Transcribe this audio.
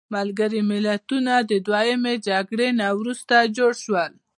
ملګري ملتونه د دویمې جګړې نه وروسته جوړ شول.